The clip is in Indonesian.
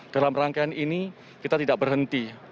dalam rangkaian ini kita tidak berhenti